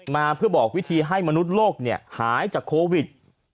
มาเพื่อบอกวิธีให้มนุษย์โลกหายจากโควิด